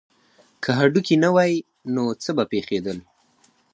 که هډوکي نه وی نو څه به پیښیدل